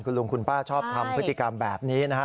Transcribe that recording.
คุณลุงคุณป้าชอบทำพฤติกรรมแบบนี้นะฮะ